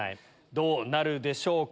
どうなるでしょうか？